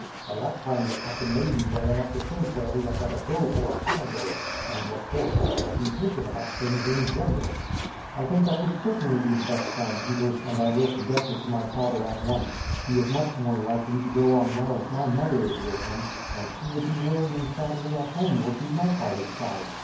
By that time the captain may be well enough to think where we had better go for a cargo, and what course had best be taken about things in general." "I think that would certainly be the best plan, Peters; and I will suggest it to my father at once. He is much more likely to go on well if my mother is with him, and she would be worrying sadly at home were she not by his side.